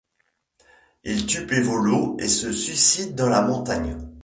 Il tue Pivolo et se suicide dans la montagne.